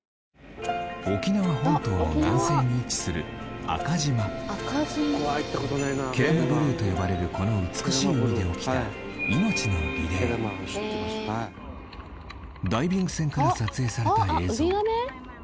沖縄本島の南西に位置する阿嘉島ケラマブルーと呼ばれるこの美しい海で起きたダイビング船から撮影された映像